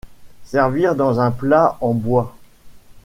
Servir dans un plat en bois.